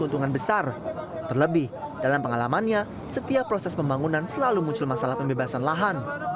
keuntungan besar terlebih dalam pengalamannya setiap proses pembangunan selalu muncul masalah pembebasan lahan